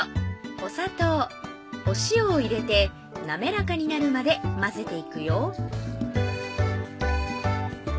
お砂糖・お塩を入れて滑らかになるまで混ぜていくよ